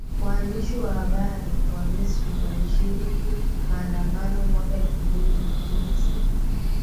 Waandishi wa habari wa Misri walishiriki maandamano mwaka elfu mbili na kumi na sita